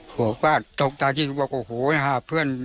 หัวฟาดตกตะทีบอกว่าโอ้โหห้าเพื่อน